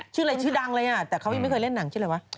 ชื่ออะไรชื่อดังเลยอ่ะแต่เขายังไม่เคยเล่นหนังชื่ออะไรวะ